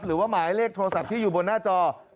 หมายเลขโทรศัพท์ที่อยู่บนหน้าจอ